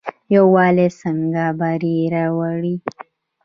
یووالی څنګه بری راوړي؟